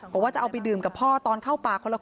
พระเจ้าที่อยู่ในเมืองของพระเจ้า